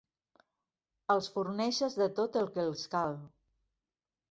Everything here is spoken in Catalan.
Els forneixes de tot el que els cal.